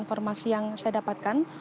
informasi yang saya dapatkan